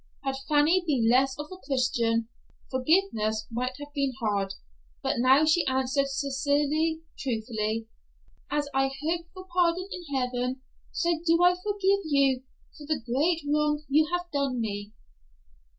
Had Fanny been less of a Christian, forgiveness might have been hard, but now she answered sincerely, truthfully, "As I hope for pardon in heaven, so do I forgive you for the great wrong you have done me."